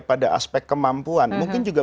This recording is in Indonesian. pada aspek kemampuan mungkin juga